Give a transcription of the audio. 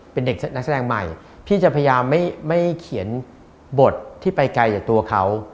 เป็นเด็กนักแสดงใหม่พี่จะพยายามไม่เขียนบทที่ไปไกลจากตัวเขา